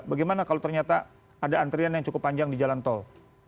bagaimana kalau ternyata ada antrian yang cukup panjang di jalan tol